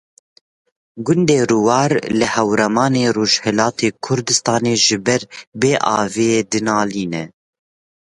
Gundê Rûwar li Hewraman a Rojhilatê Kurdistanê ji ber bê aviyê dinalîne.